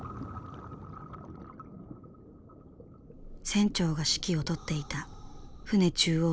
船長が指揮を執っていた船中央のブリッジ。